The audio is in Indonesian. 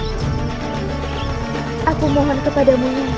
saya mohon kepadamu